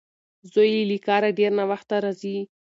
زوی یې له کاره ډېر ناوخته راځي.